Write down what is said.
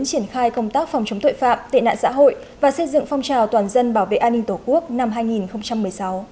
triển khai công tác phòng chống tội phạm tệ nạn xã hội và xây dựng phong trào toàn dân bảo vệ an ninh tổ quốc năm hai nghìn một mươi sáu